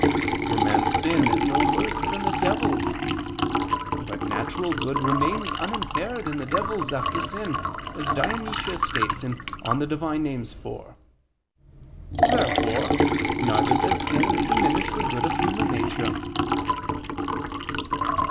For man's sin is no worse than the devil's. But natural good remains unimpaired in devils after sin, as Dionysius states (Div. Nom. iv). Therefore neither does sin diminish the good of human nature.